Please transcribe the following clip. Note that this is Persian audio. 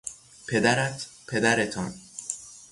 پدرت، پدرتان